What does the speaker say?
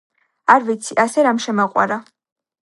არ ვიცი, ასე რამ შემაყვარა!